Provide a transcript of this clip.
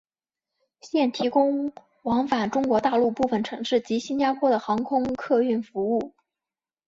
现提供往返中国大陆部分城市及新加坡的航空客运服务。